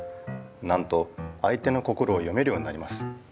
なんとあい手の心を読めるようになります。